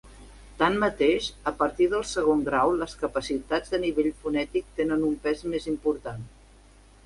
Tanmateix, a partir del segon grau, les capacitats de nivell fonètic tenen un pes més important.